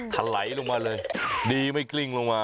ถลายลงมาเลยดีไม่กลิ้งลงมา